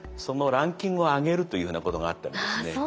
そのランキングを上げるというふうなことがあったりですね。